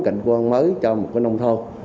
cảnh quan mới cho một cái nông thông